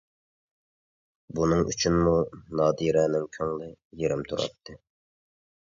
بۇنىڭ ئۈچۈنمۇ نادىرەنىڭ كۆڭلى يېرىم تۇراتتى.